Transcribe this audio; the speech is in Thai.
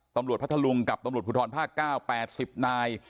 ตำรวจพระทะลุงกับตำรวจผุดธรรมภาค๙๘๐นาย